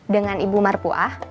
dengan ibu marpuah